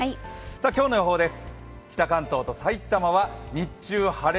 今日の予報です。